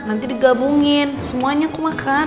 nanti digabungin semuanya aku makan